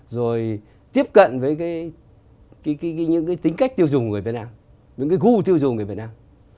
rồi tiếp cận với những tính cách tiêu dùng của người việt nam những gu tiêu dùng của người việt nam